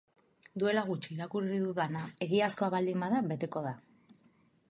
Duela gutxi irakurri dudana egiazkoa baldin bada beteko da.